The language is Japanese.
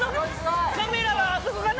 カメラはあそこかな。